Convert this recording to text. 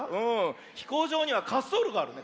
ひこうじょうにはかっそうろがあるね。